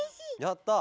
やった！